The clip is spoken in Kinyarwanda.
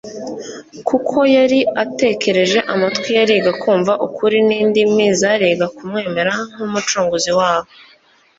kuko yari atekereje amatwi yariga kumva ukuri n'indimi zariga kumwemera nk'Umucunguzi wabo.